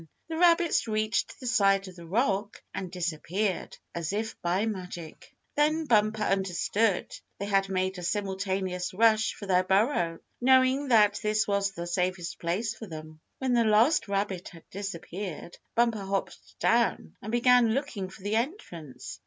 The rabbits reached the side of the rock, and disappeared as if by magic. Then Bumper understood. They had made a simultaneous rush for their burrow, knowing that this was the safest place for them. When the last rabbit had disappeared, Bumper hopped down, and began looking for the entrance.